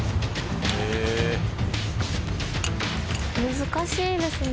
難しいですね。